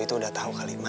boy tuh udah tahu kali ma